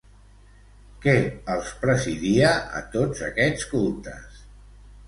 Què els presidia a tots aquests cultes?